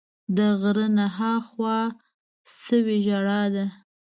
د غره نه ها خوا سوې ژړا ده